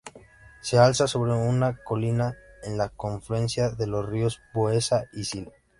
Se alza sobre una colina en la confluencia de los ríos Boeza y Sil.